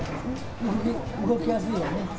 動きやすいよね。